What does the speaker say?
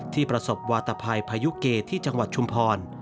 ประสบวาตภัยพายุเกที่จังหวัดชุมพร